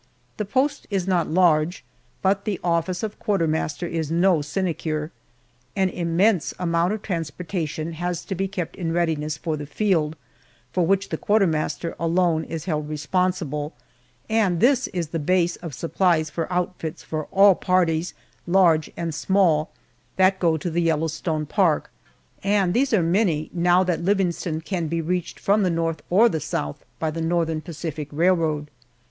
The post is not large, but the office of quartermaster is no sinecure. An immense amount of transportation has to be kept in readiness for the field, for which the quartermaster alone is held responsible, and this is the base of supplies for outfits for all parties large and small that go to the Yellowstone Park, and these are many, now that Livingstone can be reached from the north or the south by the Northern Pacific Railroad.